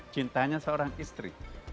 cintanya seorang istri